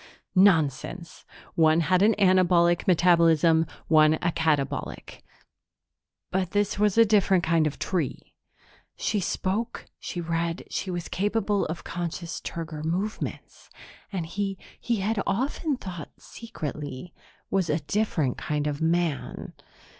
Nonsense! One had an anabolic metabolism, one a catabolic. But this was a different kind of tree. She spoke, she read, she was capable of conscious turgor movements. And he, he had often thought secretly, was a different kind of man.